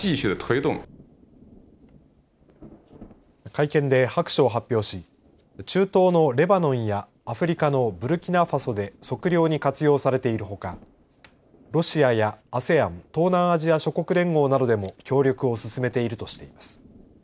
会見で白書を発表し中東のレバノンやアフリカのブルキナファソで測量に活用されているほかロシアやＡＳＥＡＮ東南アジア諸国連合などでも協力を進めているとしています。